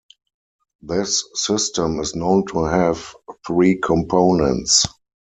This system is known to have three components.